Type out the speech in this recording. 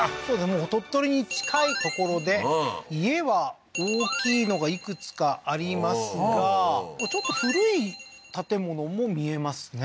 もう鳥取に近い所で家は大きいのがいくつかありますがちょっと古い建物も見えますね